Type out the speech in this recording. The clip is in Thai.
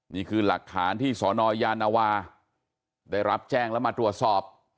นี่คือหลักฐานที่สนยานวาได้รับแจ้งแล้วมาตรวจสอบ